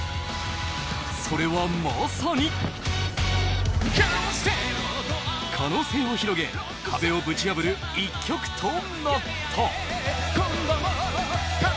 それはまさに可能性を広げ壁をぶち破る一曲となった。